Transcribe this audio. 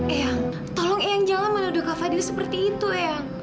eang tolong eang jangan menodohkan fadil seperti itu eang